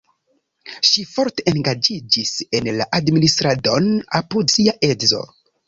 Ŝi forte engaĝiĝis en la administradon apud sia edzo.